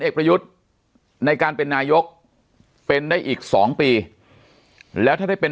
เอกประยุทธ์ในการเป็นนายกเป็นได้อีก๒ปีแล้วถ้าได้เป็น